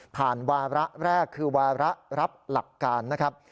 วาระแรกคือวาระรับหลักการนะครับ